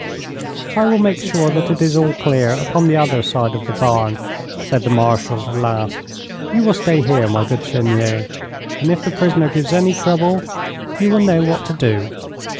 'I will make sure that it is all clear upon the other side of the barn,' said the Marshal at last. 'You will stay here, my good Chenier, and if the prisoner gives any trouble you will know what to do.'